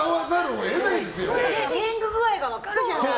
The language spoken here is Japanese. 天狗具合が分かるじゃない。